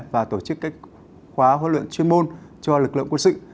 và tổ chức các khóa huấn luyện chuyên môn cho lực lượng quân sự